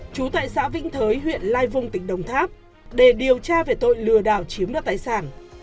chú tại xã vĩnh thới huyện lai vung tỉnh đồng tháp để điều tra về tội lừa đảo chiếm đoạt tài sản